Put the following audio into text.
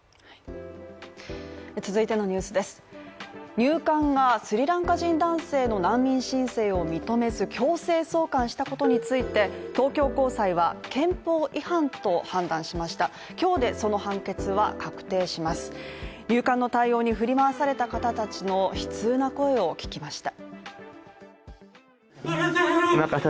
入管がスリランカ人男性の難民申請を認めず強制送還したことについて、東京高裁は憲法違反と判断しました今日でその判決は確定します入管の対応に振り回された方たちの悲痛な声を聞きました。